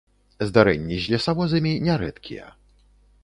Здарэнні з лесавозамі нярэдкія.